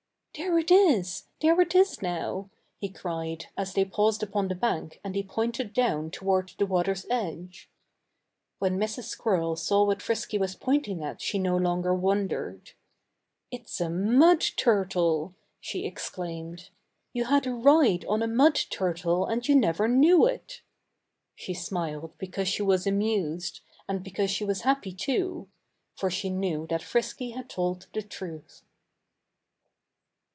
"There it is! There it is now!" he cried, as they paused upon the bank and he pointed down toward the water's edge. When Mrs. Squirrel saw what Frisky was pointing at she no longer wondered. "It's a mud turtle!" she exclaimed. "You had a ride on a mud turtle and you never knew it." She smiled, because she was amused; and because she was happy, too. For she knew that Frisky had told the truth.